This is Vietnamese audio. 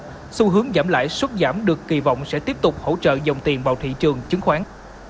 ngân hàng nhà nước được kỳ vọng sẽ tiếp tục hỗ trợ dòng tiền vào thị trường chứng khoán